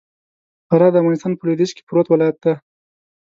فراه د افغانستان په لوېديځ کي پروت ولايت دئ.